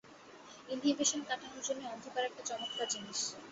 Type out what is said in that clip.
Inhibition কাটানোর জন্যে অন্ধকার একটা চমৎকার জিনিস।